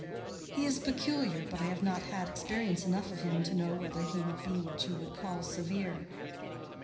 "He is peculiar, but I have not had experience enough of him to know whether he would be what you would call severe."